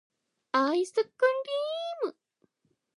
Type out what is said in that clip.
愛♡スクリ～ム!